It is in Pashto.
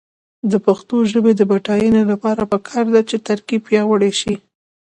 د پښتو ژبې د بډاینې لپاره پکار ده چې ترکیب پیاوړی شي.